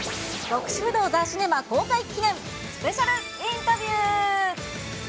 極主夫道ザ・シネマ公開記念、スペシャルインタビュー。